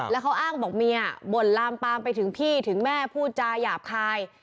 แล้วเขาอ้างบอกเมียบ่นลามปามไปถึงพี่ถึงแม่พูดจาหยาบคาย